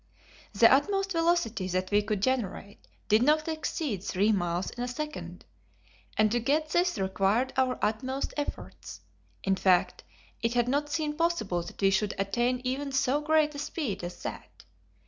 The utmost velocity that we could generate did not exceed three miles in a second, and to get this required our utmost efforts. In fact, it had not seemed possible that we should attain even so great a speed as that.